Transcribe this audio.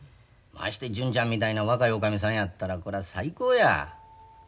まして純ちゃんみたいな若い女将さんやったらこれは最高や。